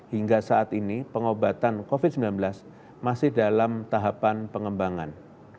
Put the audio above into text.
hingga saat ini pengobatan covid sembilan belas masih dalam tahapan pengembangan